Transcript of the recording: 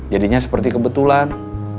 jadinya seperti kebetulan